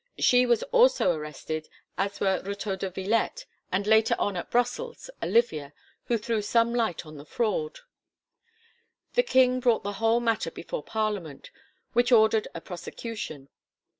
She was also arrested as were Retaux de Vilette, and, later on at Brussels, Olivia, who threw some light on the fraud. The King brought the whole matter before Parliament, which ordered a prosecution.